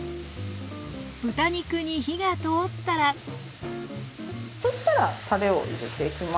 豚肉に火が通ったらそしたらたれを入れていきます。